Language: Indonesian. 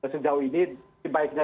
sejauh ini baiknya